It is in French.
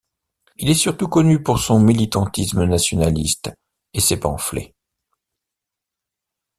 Il est surtout connu pour son militantisme nationaliste et ses pamphlets.